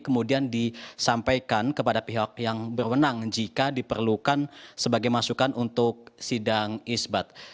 kemudian disampaikan kepada pihak yang berwenang jika diperlukan sebagai masukan untuk sidang isbat